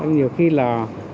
nhiều khi là